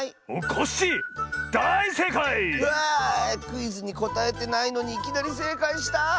クイズにこたえてないのにいきなりせいかいした。